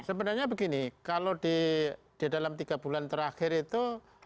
sebenarnya begini kalau di dalam tiga bulan terakhir itu